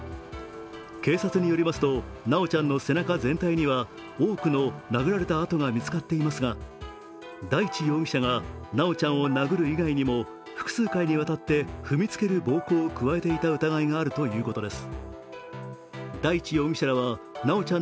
警察によりますと、修ちゃんの背中全体には多くの殴られた痕が見つかっていますが大地容疑者が修ちゃんを複数回にわたって踏みつける暴行を働いていた疑いがあるということです。